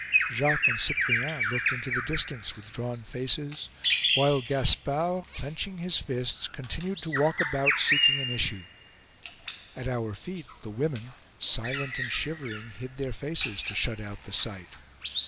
Jacques and Cyprien looked into the distance, with drawn faces; while Gaspard, clenching his fists, continued to walk about, seeking an issue. At our feet the women, silent and shivering, hid their faces to shut out the sight.